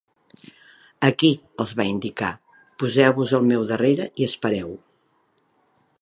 Aquí —els va indicar—, poseu-vos al meu darrere i espereu.